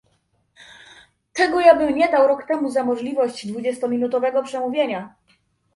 Czego ja bym nie dał rok temu za możliwość dwudziestominutowego przemówienia!